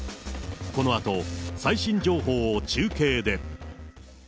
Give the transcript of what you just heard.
このあと最新情報を中継で。